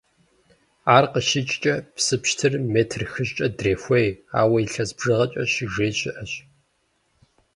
Ар къыщикӀкӀэ, псы пщтырыр метр хыщӏкӀэ дрехуей, ауэ илъэс бжыгъэкӀэ «щыжеи» щыӀэщ.